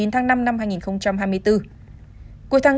chín tháng năm năm hai nghìn hai mươi bốn